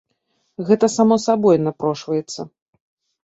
Гэта само сабой напрошваецца.